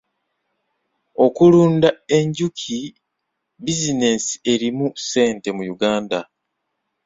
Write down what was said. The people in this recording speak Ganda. Okulunda enjuki bizinensi erimu ssente mu Uganda.